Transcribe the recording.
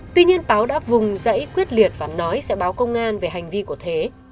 tuy nhiên báo đã vùng dãy quyết liệt và nói sẽ báo công an về hành vi của thế